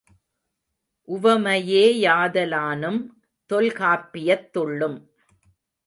உவமையே யாதலானும், தொல்காப்பியத் துள்ளும்